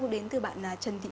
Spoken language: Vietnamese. đến từ bạn trần thị